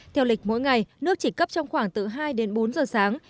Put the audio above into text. theo lịch mỗi ngày nước chỉ cấp trong khoảng từ hai đến bốn giờ sáng